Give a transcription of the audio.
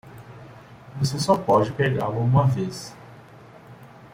Você só pode pegá-lo uma vez